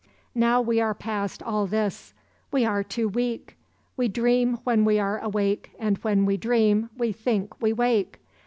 "Now we are past all this. We are too weak. We dream when we are awake and when we dream we think we wake.